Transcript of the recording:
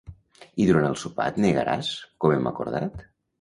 I durant el sopar et negaràs, com hem acordat?